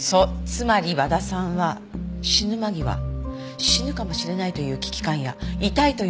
つまり和田さんは死ぬ間際死ぬかもしれないという危機感や痛いという苦痛を感じていた。